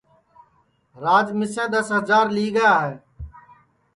راج مِسیں دؔس ہجار لی گا ہے